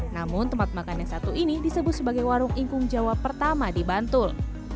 namun tempat makan yang satu ini disebut sebagai warung ingkung jawa pertama di bantul